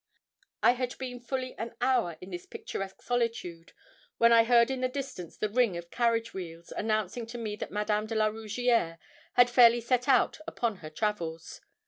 I had been fully an hour in this picturesque solitude when I heard in the distance the ring of carriage wheels, announcing to me that Madame de la Rougierre had fairly set out upon her travels.